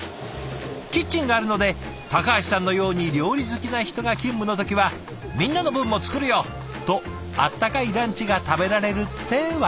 キッチンがあるので橋さんのように料理好きな人が勤務の時は「みんなの分も作るよ！」と温かいランチが食べられるってわけ。